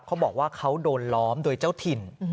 เขาบอกว่าเขาโดนล้อมโดยเจ้าถิ่น